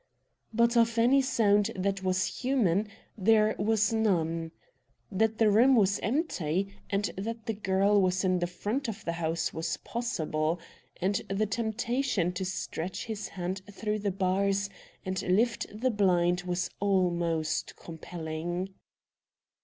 But of any sound that was human there was none. That the room was empty, and that the girl was in the front of the house was possible, and the temptation to stretch his hand through the bars and lift the blind was almost compelling.